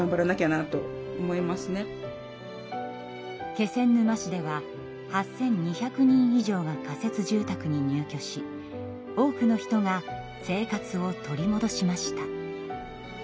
気仙沼市では８，２００人以上が仮設住宅に入居し多くの人が生活を取りもどしました。